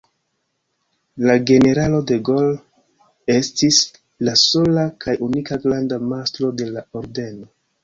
La generalo De Gaulle estis la sola kaj unika granda mastro de la ordeno.